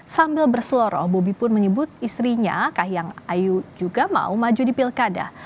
sambil berseloroh bobi pun menyebut istrinya kahiyang ayu juga mau maju di pilkada